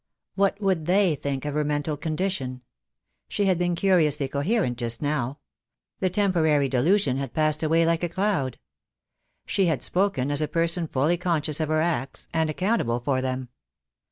What would they think of her mental condition. She had been curiously coherent just now. The temporary delusion had passed away like a cloud. She had spoken as a person fully conscious of her acts, and accountable for them.